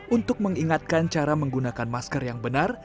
untuk mengingatkan cara menggunakan masker yang benar